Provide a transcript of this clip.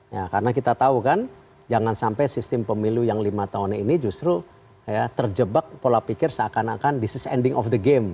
ya karena kita tahu kan jangan sampai sistem pemilu yang lima tahun ini justru terjebak pola pikir seakan akan this is ending of the game